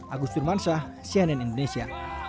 agus turmansyah cnn indonesia